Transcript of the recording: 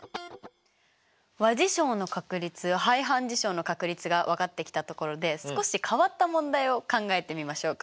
和事象の確率排反事象の確率が分かってきたところで少し変わった問題を考えてみましょうか。